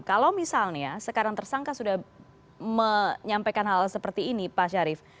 kalau misalnya sekarang tersangka sudah menyampaikan hal seperti ini pak syarif